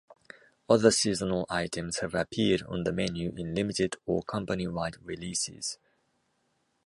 Other seasonal items have appeared on the menu in limited or company-wide releases.